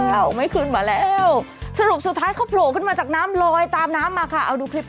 เอาไม่ขึ้นมาแล้วสรุปสุดท้ายเขาโผล่ขึ้นมาจากน้ำลอยตามน้ำมาค่ะเอาดูคลิปค่ะ